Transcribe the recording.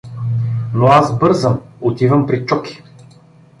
— Но аз бързам, отивам при Чоки.